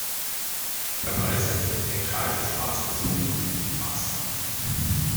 Dabei setzen sie den Greifschwanz als fünfte Gliedmaße ein.